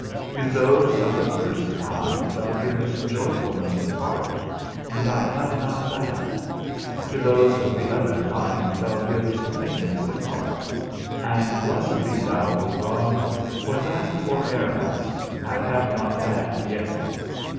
To those of the first kind thou givest joyfulness of heart, and I have not that; to those of the other kind thou givest faintness of heart; and blessed be thou, O God, for that forbearance, I have not that yet.